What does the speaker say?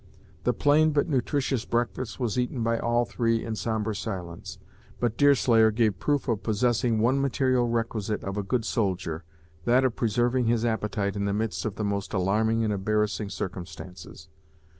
The plain but nutritious breakfast was taken by all three in sombre silence. The girls ate little, but Deerslayer gave proof of possessing one material requisite of a good soldier, that of preserving his appetite in the midst of the most alarming and embarrassing circumstances.